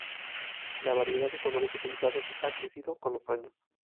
La variedad de colores utilizados ha crecido con los años.